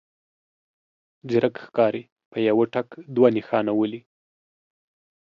ځيرک ښکاري په يوه ټک دوه نښانه ولي.